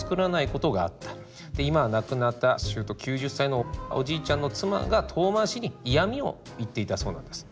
今は亡くなったしゅうと９０歳のおじいちゃんの妻が遠回しに嫌みを言っていたそうなんです。